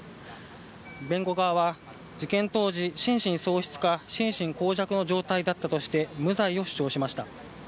弁護側は、事件当時、心神喪失か心神耗弱の状態だったとして、無罪を主張しました。